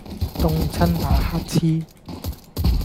凍親打乞嗤